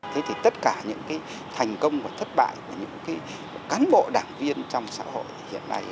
thế thì tất cả những cái thành công và thất bại của những cán bộ đảng viên trong xã hội hiện nay